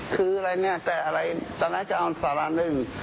คืออะไรเนี่ยแต่อะไรตอนนั้นจะเอาสาระหนึ่ง